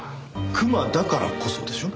クマだからこそでしょ？